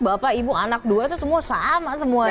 bapak ibu anak dua itu semua sama semuanya